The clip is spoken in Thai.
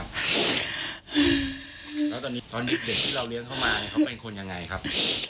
แล้วตอนนี้ตอนเด็กที่เราเลี้ยงเข้ามาเขาเป็นคนยังไงครับ